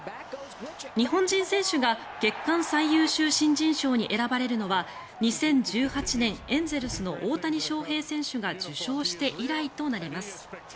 日本人選手が月間最優秀新人賞に選ばれるのは２０１８年エンゼルスの大谷翔平選手が受賞して以来となります。